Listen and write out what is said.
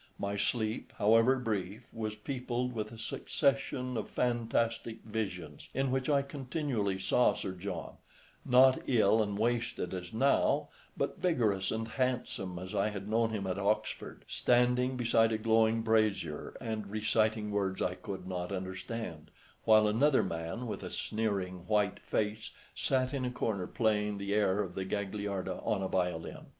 My sleep, however brief, was peopled with a succession of fantastic visions, in which I continually saw Sir John, not ill and wasted as now, but vigorous and handsome as I had known him at Oxford, standing beside a glowing brazier and reciting words I could not understand, while another man with a sneering white face sat in a corner playing the air of the Gagliarda on a violin.